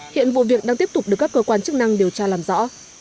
hiện vụ việc đang tiếp tục được các cơ quan chức năng điều tra làm rõ